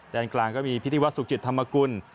ด้านกลางก็มีพิธีวัฒนสุขจิตธรรมกุล